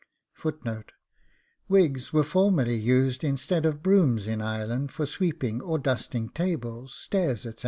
Wigs were formerly used instead of brooms in Ireland for sweeping or dusting tables, stairs, etc.